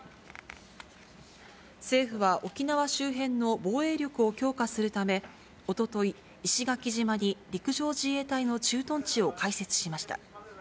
政府は、沖縄周辺の防衛力を強化するため、おととい、石垣島に陸上自衛隊の駐屯地を開設しました。